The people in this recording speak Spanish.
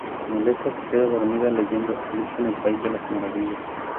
Molesta, se queda dormida leyendo Alicia en el país de las maravillas.